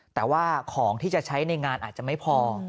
แต่ว่าของที่จะใช้ในงานอาจจะไม่พอ